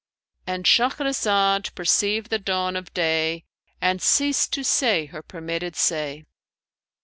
"— And Shahrazad perceived the dawn of day and ceased to say her permitted say.